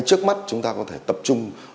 hay trước mắt chúng ta có thể tập trung